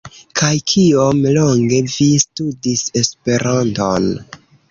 Kaj kiom longe vi studis Esperanton?